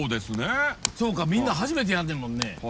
そうかみんな初めてやんねんもんね。